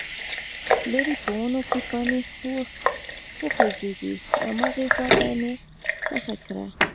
ليرې په ونو کې پاڼې وخوځېدې، هماغې خواته مې مخه کړه،